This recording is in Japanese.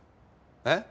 えっ？